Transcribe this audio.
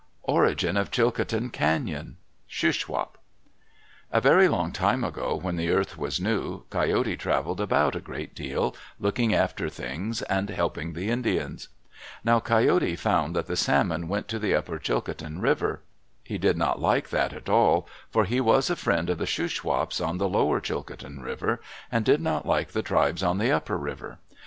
ORIGIN OF CHILCOTIN CAÑON Shuswap A very long time ago, when the earth was new, Coyote traveled about a great deal, looking after things and helping the Indians. Now Coyote found that the salmon went to the upper Chilcotin River. He did not like that at all, for he was a friend of the Shuswaps on the lower Chilcotin River, and did not like the tribes on the upper river.